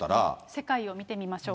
世界を見てみましょう。